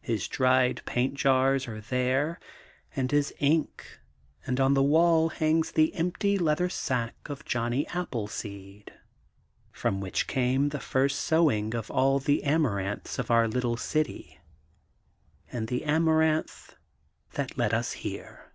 His dried paint jars are there and his ink and on the wall hangs the empty leather sack of Johnny Appleseed, from which came the first sowing of all the Amaranths of our little city, and the Amaranth that led us here.